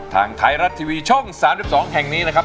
ทางไทยรัฐทีวีช่อง๓๒แห่งนี้นะครับ